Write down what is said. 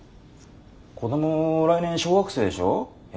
子ども来年小学生でしょ？え？